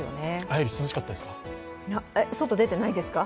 やはり涼しかったですか？